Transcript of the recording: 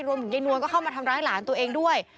ยายนวลก็เข้ามาทำร้ายหลานตัวเองด้วย